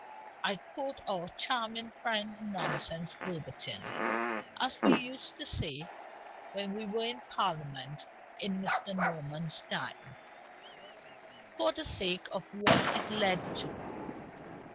I quote our charming friend's nonsense, verbatim (as we used to say when we were in Parliament in Mr. Norman's time), for the sake of what it led to.